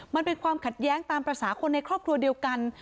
มันเป็นความขัดแย้งตามภาษาคนในครอบครัวเดียวกัน